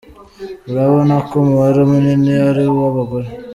Urabona ko umubare munini ari uw’abagore!